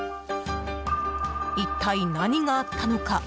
一体、何があったのか。